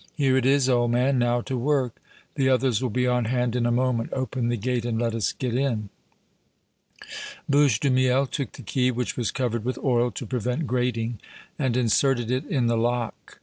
"Here it is, old man. Now to work. The others will be on hand in a moment. Open the gate and let us get in." Bouche de Miel took the key, which was covered with oil to prevent grating, and inserted it in the lock.